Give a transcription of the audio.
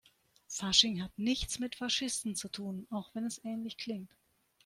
Fasching hat nichts mit Faschisten zu tun, auch wenn es ähnlich klingt.